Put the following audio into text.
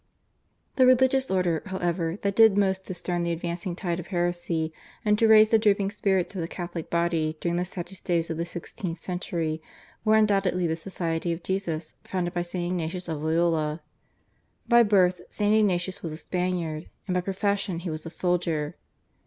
The religious order, however, that did most to stem the advancing tide of heresy and to raise the drooping spirits of the Catholic body during the saddest days of the sixteenth century was undoubtedly the Society of Jesus, founded by St. Ignatius of Loyola. By birth St. Ignatius was a Spaniard, and by profession he was a soldier.